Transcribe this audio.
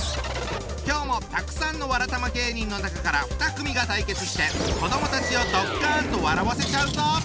今日もたくさんのわらたま芸人の中から２組が対決して子どもたちをドッカンと笑わせちゃうぞ！